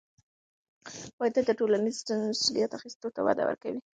پوهېدل د ټولنیزې مسؤلیت اخیستلو ته وده ورکوي.